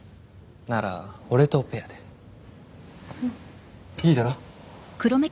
なら俺とペアでうんいいだろ？